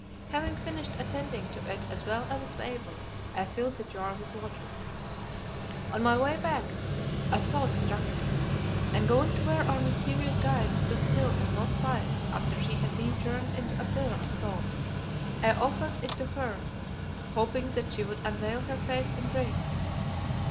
Having finished attending to it as well as I was able, I filled the jar with water. On my way back a thought struck me, and going to where our mysterious guide stood still as Lot's wife after she had been turned into a pillar of salt, I offered it to her, hoping that she would unveil her face and drink.